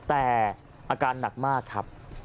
แต่อาการหนักมากครับ